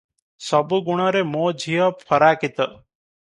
ସବୁ ଗୁଣରେ ମୋ ଝିଅ ଫରାକିତ ।